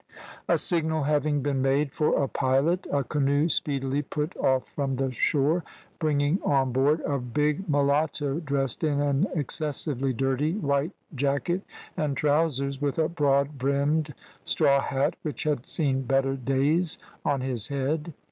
"A signal having been made for a pilot, a canoe speedily put off from the shore, bringing on board a big mulatto, dressed in an excessively dirty white jacket and trowsers, with a broad brimmed straw hat which had seen better days, on his head.